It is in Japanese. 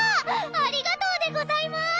ありがとうでございます